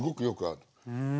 うん。